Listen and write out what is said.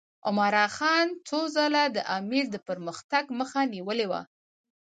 عمرا خان څو ځله د امیر د پرمختګ مخه نیولې وه.